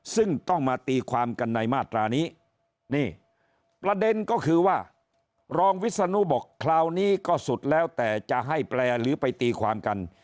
ซึ่งต้องมาตีความกันในมาตรานี้นี่ประเด็นก็คือว่ารองวิศนุบอกคราวนี้ก็สุดแล้วแต่จะให้แปลหรือไปตีความกัน